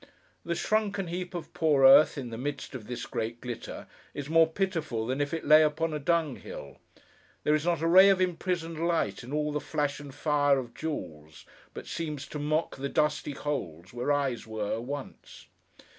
The shrunken heap of poor earth in the midst of this great glitter, is more pitiful than if it lay upon a dung hill. There is not a ray of imprisoned light in all the flash and fire of jewels, but seems to mock the dusty holes where eyes were, once.